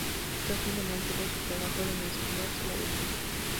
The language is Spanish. Teófilo mantuvo su trabajo de mensajero hasta la adultez.